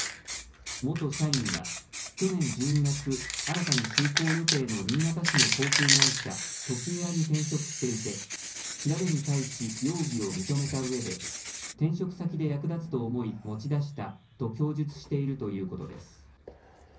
元社員は去年１２月、新たに就航予定の新潟市の航空会社トキエアに転職していて調べに対し容疑を認めたうえで転職先で役立つと思い持ち出したと供述しているということです。